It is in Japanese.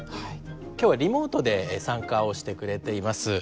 今日はリモートで参加をしてくれています。